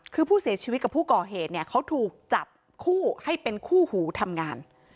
คือผู้เสียชีวิตกับผู้ก่อเหตุเนี่ยเขาถูกจับคู่ให้เป็นคู่หูทำงาน